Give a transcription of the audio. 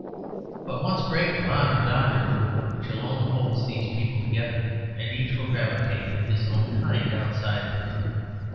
But once break the bond of doctrine which alone holds these people together and each will gravitate to his own kind outside the group.